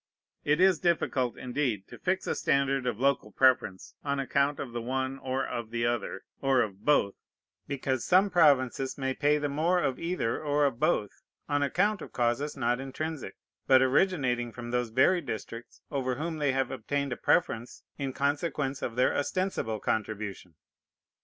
It is difficult, indeed, to fix a standard of local preference on account of the one, or of the other, or of both, because some provinces may pay the more of either or of both on account of causes not intrinsic, but originating from those very districts over whom they have obtained a preference in consequence of their ostensible contribution.